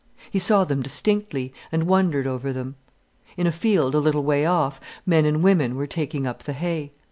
He saw them distinctly and wondered over them. In a field a little way off, men and women were taking up the hay.